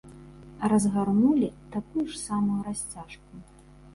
Разгарнулі такую ж самую расцяжку.